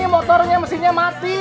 ini motornya mesinnya mati